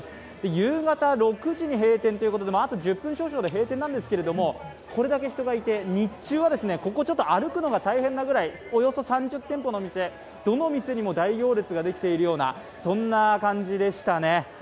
夕方６時に閉店ということで、あと１０分少々で閉店なんですけどこれだけ人がいて、日中はここ歩くのが大変なぐらいおよそ３０店舗の店、どの店にも大行列ができているようなそんな感じでしたね。